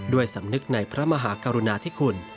สำนึกในพระมหากรุณาธิคุณ